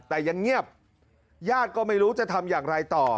แต่ยังเงียบญาติก็ไม่รู้จะทำอย่างไรต่อ